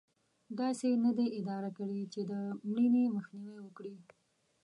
داسې یې نه دي اداره کړې چې د مړینې مخنیوی وکړي.